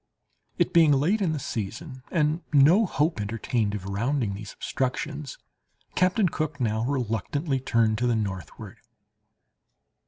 It being late in the season, and no hope entertained of rounding these obstructions, Captain Cook now reluctantly turned to the northward.